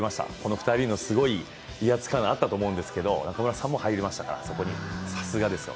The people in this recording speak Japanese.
２人のすごい威圧感もあったと思いますけど中村さんも入りましたから、そこにさすがですよ。